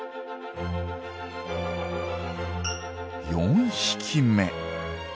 ４匹目。